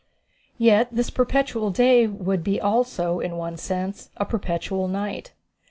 Yet this perpetual day would be also, in one sense, a perpetual night.